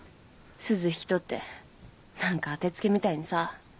すず引き取って何か当て付けみたいにさ。